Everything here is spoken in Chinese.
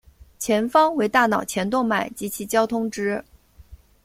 前方为大脑前动脉及其交通支。